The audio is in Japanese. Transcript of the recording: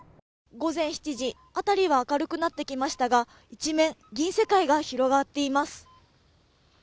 午前７時辺りは明るくなってきましたが一面銀世界が広がっています